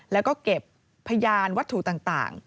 แล้วก็เก็บพยานวัตถุต่าง